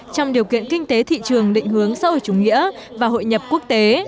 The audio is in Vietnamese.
trong điều kiện kinh tế thị trường định hướng sâu ở chủ nghĩa và hội nhập quốc tế